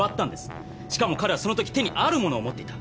しかも彼はそのとき手にあるものを持っていた。